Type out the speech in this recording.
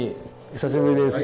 久しぶりです。